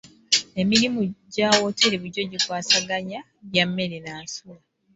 Emirimu gya wooteeri bulijjo gikwasaganya bya mmere na nsula.